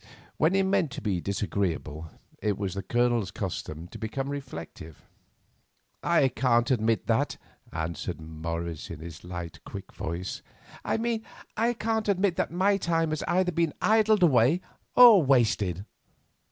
When he meant to be disagreeable it was the Colonel's custom to become reflective. "I can't admit that," answered Morris, in his light, quick voice—"I mean I can't admit that my time has either been idled away or wasted.